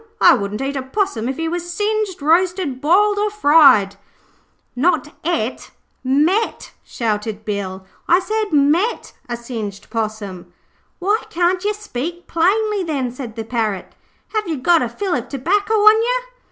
I wouldn't eat a possum if he was singed, roasted, boiled, or fried.' 'Not ett met,' shouted Bill. 'I said, met a singed possum.' 'Why can't yer speak plainly, then,' said the Parrot. 'Have you got a fill of tobacco on yer?'